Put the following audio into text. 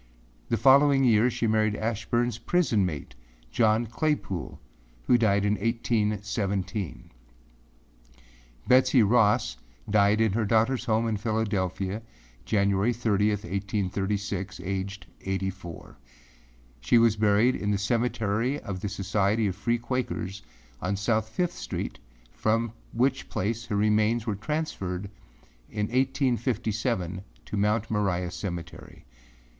The following year, she married Ashburneâs prison mate, John Claypoole, who died in 1817. Betsey Ross died in her daughterâs home in Philadelphia January 30, 1836, aged eighty four. She was buried in the Cemetery of the Society of Free Quakers on South Fifth Street, from which place her remains were transferred in 1857 to Mount Moriah Cemetery.